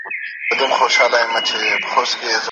بولي یې د خدای آفت زموږ د بد عمل سزا